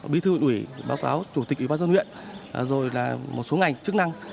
bí thư huyện ủy báo cáo chủ tịch ubnd huyện rồi là một số ngành chức năng